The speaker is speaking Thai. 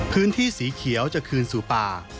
พื้นที่สีเขียวจะคืนสู่ป่า